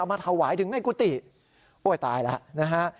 มาถวายถึงในกุฏิโอ้ยตายแล้วนะฮะ